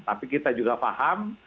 tapi kita juga paham